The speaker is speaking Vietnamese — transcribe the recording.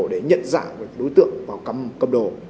để nhận dạng đối tượng vào cầm đồ